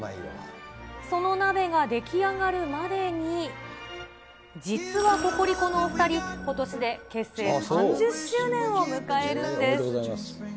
そのお鍋が出来上がるまでに、実はココリコのお２人、ことしで結成３０周年を迎えるんです。